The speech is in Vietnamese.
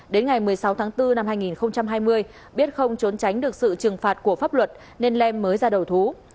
đến ngày một mươi sáu tháng bốn năm hai nghìn hai mươi biết không trốn tránh được sự trừng phạt của pháp luật nên lem mới ra đầu thú